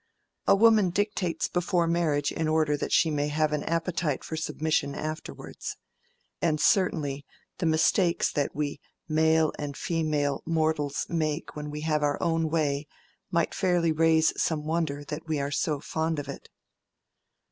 A woman dictates before marriage in order that she may have an appetite for submission afterwards. And certainly, the mistakes that we male and female mortals make when we have our own way might fairly raise some wonder that we are so fond of it.